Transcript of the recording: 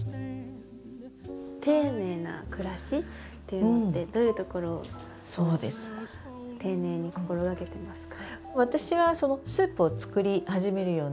丁寧な暮らしっていうのってどういうところを丁寧に心がけてますか？